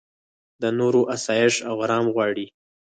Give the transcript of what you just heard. د نورو اسایش او ارام غواړې.